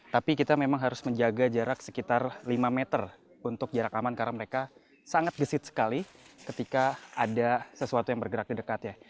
tapi kita memang harus menjaga jarak sekitar lima meter untuk jarak aman karena mereka sangat gesit sekali ketika ada sesuatu yang bergerak di dekatnya